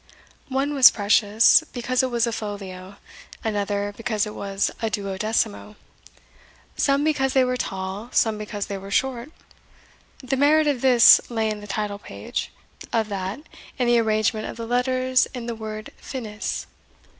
One was precious because it was a folio, another because it was a duodecimo; some because they were tall, some because they were short; the merit of this lay in the title page of that in the arrangement of the letters in the word Finis.